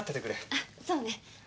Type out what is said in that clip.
あそうね。